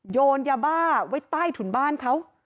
โยนยาบ้าไว้ใต้ถุนบ้านเขา